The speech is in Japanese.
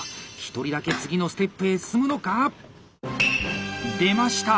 １人だけ次のステップへ進むのか⁉出ました！